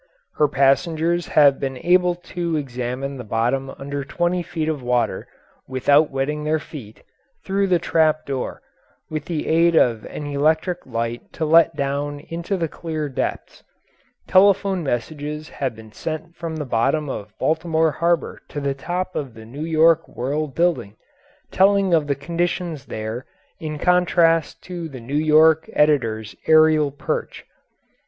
Her passengers have been able to examine the bottom under twenty feet of water (without wetting their feet), through the trap door, with the aid of an electric light let down into the clear depths. Telephone messages have been sent from the bottom of Baltimore Harbour to the top of the New York World building, telling of the conditions there in contrast to the New York editor's aerial perch.